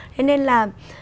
thế nên là